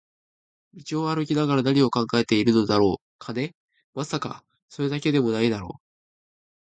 道を歩きながら何を考えているのだろう、金？まさか、それだけでも無いだろう